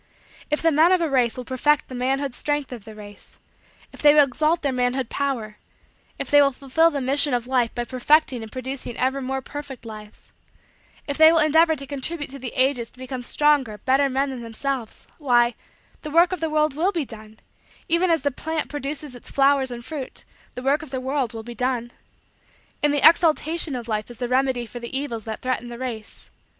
If the men of a race will perfect the manhood strength of the race; if they will exalt their manhood power; if they will fulfill the mission of life by perfecting and producing ever more perfect lives; if they will endeavor to contribute to the ages to come stronger, better, men than themselves; why, the work of the world will be done even as the plant produces its flowers and fruit, the work of the world will be done. In the exaltation of Life is the remedy for the evils that threaten the race.